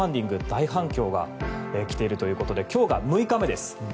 大反響が来ているということで今日が６日目です。